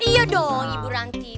iya dong ibu ranti